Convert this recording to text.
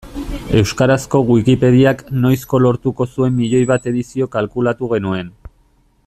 Euskarazko Wikipediak noizko lortuko zuen miloi bat edizio kalkulatu genuen.